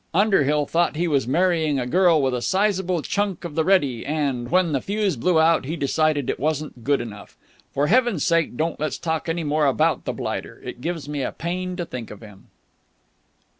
Underhill thought he was marrying a girl with a sizable chunk of the ready, and, when the fuse blew out, he decided it wasn't good enough. For Heaven's sake don't let's talk any more about the blighter. It gives me a pain to think of him."